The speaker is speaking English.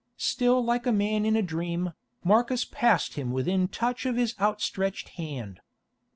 Still like a man in a dream, Marcus passed him within touch of his outstretched hand.